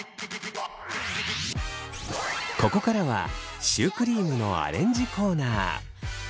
ここからはシュークリームのアレンジコーナー。